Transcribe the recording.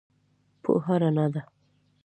پوهه رڼا ده